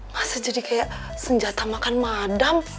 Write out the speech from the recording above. masa jadi kayak senjata makan madam